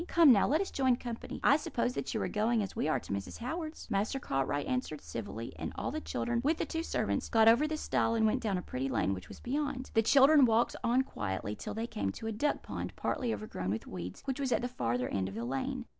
'Come, now, let us join company. I suppose that you are going, as we are, to Mrs. Howard's.' "Master Cartwright answered civilly, and all the children, with the two servants, got over the stile and went down a pretty lane which was beyond. "The children walked on quietly till they came to a duck pond, partly overgrown with weeds, which was at the farther end of the lane.